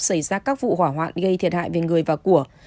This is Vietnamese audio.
xảy ra các vụ hỏa hoạn gây thiệt hại về người và của